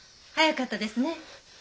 早かったですね。